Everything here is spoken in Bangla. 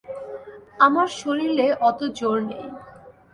আমার শরীরে অত জোর নেই।